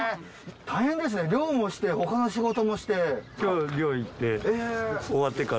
大変ですね漁もして他の仕事もして。